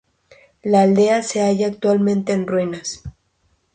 La aldea se halla actualmente en ruinas.